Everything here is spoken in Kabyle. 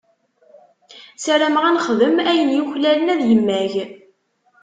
Sarameɣ ad nexdem ayen yuklalen ad yemmag.